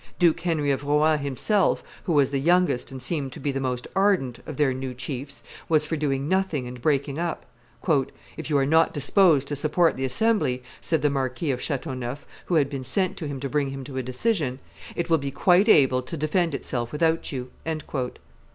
Duke Henry of Rohan himself, who was the youngest, and seemed to be the most ardent, of their new chiefs, was for doing nothing and breaking up. "If you are not disposed to support the assembly," said the Marquis of Chateauneuf, who had been sent to him to bring him to a decision, "it will be quite able to defend itself without you."